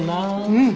うん！